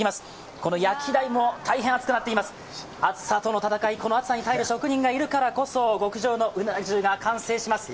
この焼き台も大変熱くなっています、暑さとの戦いこの熱さに耐える職人がいるからこそ、極上のうなぎが誕生します。